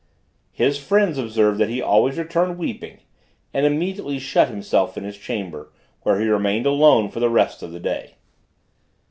His friends observed that he always returned weeping, and immediately shut himself in his chamber, where he remained alone the rest of the day.